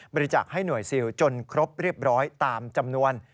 บริจาคให้หน่วยซิลจนครบเรียบร้อยตามจำนวน